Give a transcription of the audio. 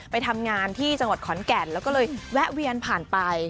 ไปทำงานที่จังหวัดขอนแก่นแล้วก็เลยแวะเวียนผ่านไป